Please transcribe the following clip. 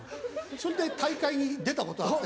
それで大会に出たことあって。